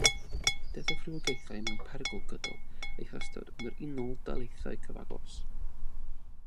Deddf Rhywogaethau Mewn Perygl gydol ei hystod yn yr Unol Daleithiau cyfagos.